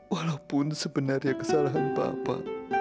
walaupun sebenarnya kesalahan papa